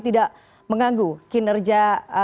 tidak menganggu kinerja